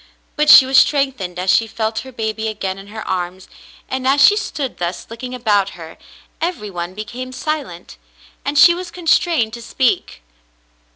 But she was strengthened as she felt her baby again in her arms, and as she stood thus looking about her, every one became silent, and she was constrained to speak.